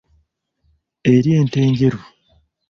Ery'ente enjeru.